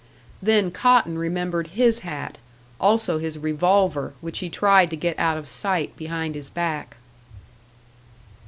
Then Cotton remembered his hat; also his revolver, which he tried to get out of sight behind his back.